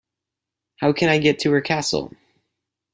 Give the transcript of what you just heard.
How can I get to her castle?